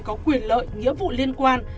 có quyền lợi nghĩa vụ liên quan